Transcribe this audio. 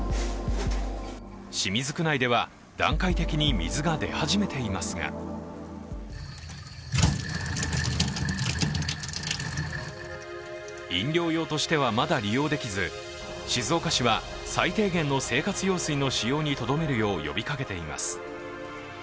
清水区内では段階的に水が出始めていますが飲料用としてはまだ利用できず静岡市は、最低限の生活用水の使用にとどめるよう呼びかけています。